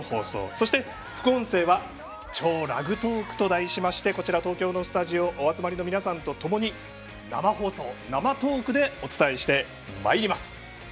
そして副音声は「＃超ラグトーク」と題しましてこちら、東京のスタジオお集まりの皆さんと一緒に生放送、生トークでお伝えしてまいります。